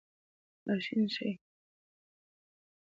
راشین شي